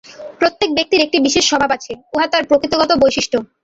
প্রত্যেক ব্যক্তির একটি বিশেষ স্বভাব আছে, উহা তাহার প্রকৃতিগত বৈশিষ্ট্য।